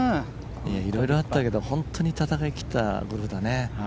いろいろあったけど本当に戦い切ったね。